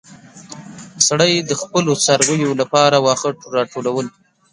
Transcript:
سړی د خپلو څارويو لپاره واښه راټولول.